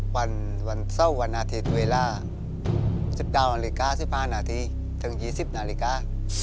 วันเศร้าวันอาทิตย์เวลา๑๙นาฬิกา๑๕นาทีถึง๒๐นาฬิกา